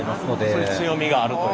そういう強みがあると。